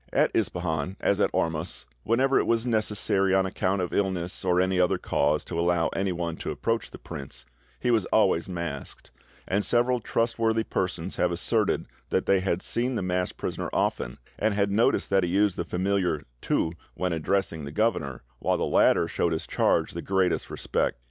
"At Ispahan, as at Ormus, whenever it was necessary on account of illness or any other cause to allow anyone to approach the prince, he was always masked; and several trustworthy persons have asserted that they had seen the masked prisoner often, and had noticed that he used the familiar 'tu' when addressing the governor, while the latter showed his charge the greatest respect.